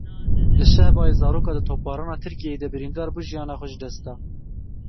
Li Şehbayê zaroka di topbarana Tirkiyeyê de birîndar bû jiyana xwe ji dest da.